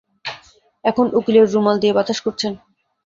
এখন উকিলের রুমাল দিয়ে বাতাস করছেন।